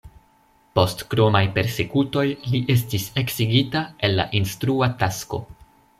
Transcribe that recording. Post kromaj persekutoj, li estis eksigita el la instrua tasko.